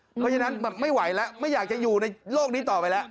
เพราะฉะนั้นไม่ไหวแล้วไม่อยากจะอยู่ในโลกนี้ต่อไปแล้ว